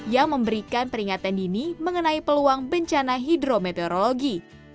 yang memberikan peringatan dini mengenai peluang bencana hidrometeorologi